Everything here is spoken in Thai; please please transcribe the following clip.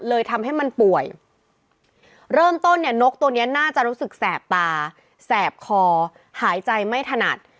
ทำให้มันป่วยเริ่มต้นเนี่ยนกตัวนี้น่าจะรู้สึกแสบตาแสบคอหายใจไม่ถนัด